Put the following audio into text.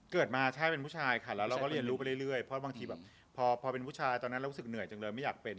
เกิดมาใช่เป็นผู้ชายค่ะแล้วเราก็เรียนรู้ไปเรื่อยเพราะบางทีแบบพอเป็นผู้ชายตอนนั้นเรารู้สึกเหนื่อยจังเลยไม่อยากเป็น